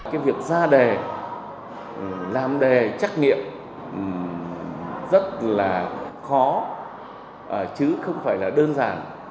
cái việc ra đề làm đề trắc nghiệm rất là khó chứ không phải là đơn giản